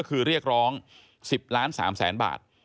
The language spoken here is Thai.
คือเรียกร้อง๑๐ล้าน๓แสนบาท